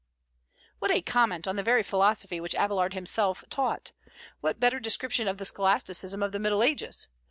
What a comment on the very philosophy which Abélard himself taught! What better description of the scholasticism of the Middle Ages!